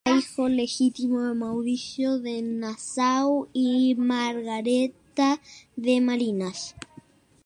Era hijo ilegítimo de Mauricio de Nassau y Margaretha de Malinas.